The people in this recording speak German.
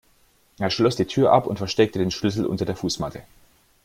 Er schloss die Tür ab und versteckte den Schlüssel unter der Fußmatte.